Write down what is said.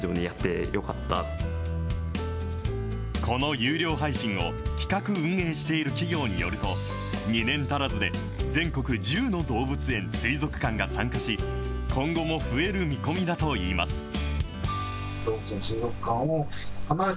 この有料配信を企画・運営している企業によると、２年足らずで全国１０の動物園・水族館が参加し、今後も増える見込みだといいます。